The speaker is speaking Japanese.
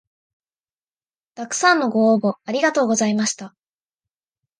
たくさんのご応募ありがとうございました